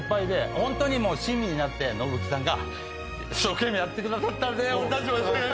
ホントに親身になってノブフキさんが一生懸命やってくださったんで。